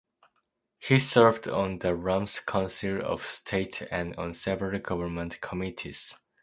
He served on the Rump's Council of State and on several government committees.